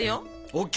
ＯＫ。